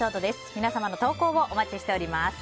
皆様の投稿をお待ちしております。